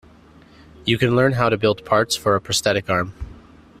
You can learn how to build parts for a prosthetic arm.